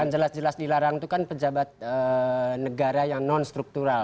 yang jelas jelas dilarang itu kan pejabat negara yang non struktural